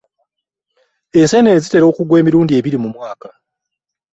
Enseenene zitera okugwa emirundi ebiri mu mwaka.